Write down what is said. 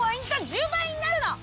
１０倍になるの！